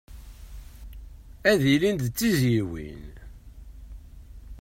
Ad ilin d tizzyiwin.